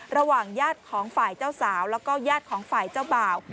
ญาติของฝ่ายเจ้าสาวแล้วก็ญาติของฝ่ายเจ้าบ่าว